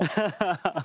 ハハハハ！